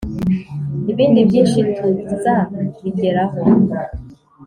ibindi byinshi tuza bijyeraho